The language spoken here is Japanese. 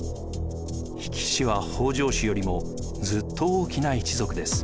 比企氏は北条氏よりもずっと大きな一族です。